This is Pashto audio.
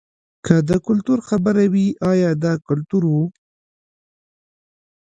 که د کلتور خبره وي ایا دا کلتور و.